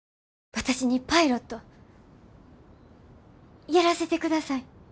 私にパイロットやらせてください。